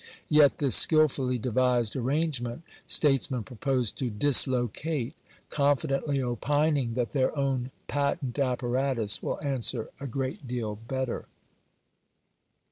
Yet this skilfully devised arrangement statesmen propose to dislocate, confidently opining that their own patent apparatus will answer a great deal better